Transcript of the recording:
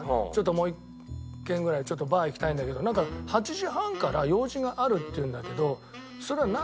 もう一軒ぐらいちょっとバー行きたいんだけどなんか８時半から用事があるっていうんだけどそれは何？